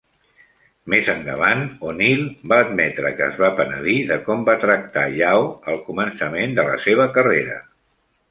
Més endavant, O'Neal va admetre que es va penedir de com va tractar Yao al començament de la seva carrera.